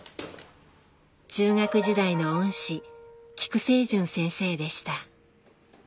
中学時代の恩師菊聖純先生でした。